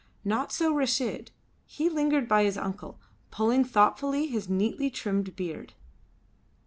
Not so Reshid. He lingered by his uncle, pulling thoughtfully his neatly trimmed beard.